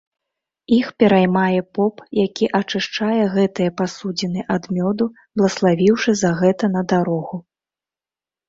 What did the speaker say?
Іх пераймае поп, які ачышчае гэтыя пасудзіны ад мёду, блаславіўшы за гэта на дарогу.